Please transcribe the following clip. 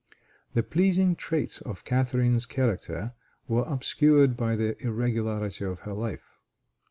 The pleasing traits of Catharine's character were obscured by the irregularity of her life.